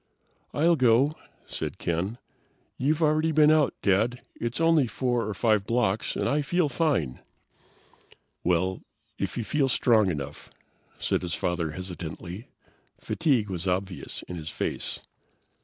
"I'll go," said Ken. "You've already been out, Dad. It's only 4 or 5 blocks, and I feel fine." "Well, if you feel strong enough," said his father hesitantly. Fatigue was obvious in his face.